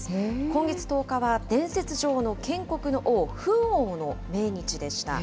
今月１０日は伝説上の建国の王、フン王の命日でした。